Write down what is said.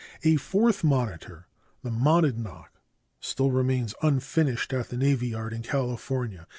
A fourth monitor, the Monadnock, still remains unfinished at the navy yard in California.